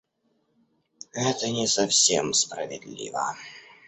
Это не совсем справедливо.